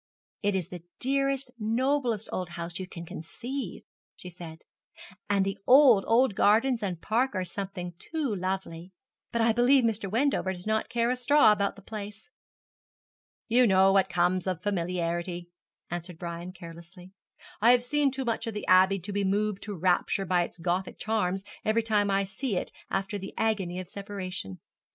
'It is the dearest, noblest old house you can conceive,' she said; 'and the old, old gardens and park are something too lovely: but I believe Mr. Wendover does not care a straw about the place.' 'You know what comes of familiarity,' answered Brian, carelessly. 'I have seen too much of the Abbey to be moved to rapture by its Gothic charms every time I see it after the agony of separation.'